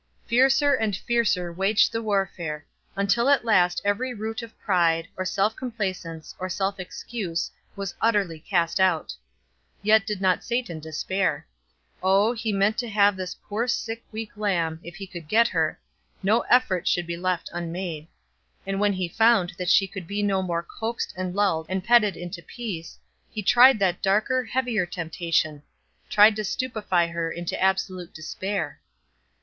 Fiercer and fiercer waged the warfare, until at last every root of pride, or self complacence, or self excuse, was utterly cast out. Yet did not Satan despair. Oh, he meant to have this poor sick, weak lamb, if he could get her; no effort should be left unmade. And when he found that she could be no more coaxed and lulled and petted into peace, he tried that darker, heavier temptation tried to stupefy her into absolute despair.